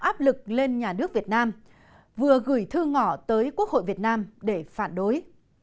áp lực lên nhà nước việt nam vừa gửi thư ngỏ tới quốc hội việt nam để phản đối